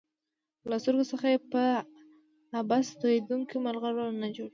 له سترګو څخه یې په عبث تویېدونکو مرغلرو نه جوړیږي.